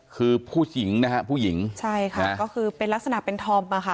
คือผู้หญิงนะฮะผู้หญิงใช่ค่ะก็คือเป็นลักษณะเป็นธอมอะค่ะ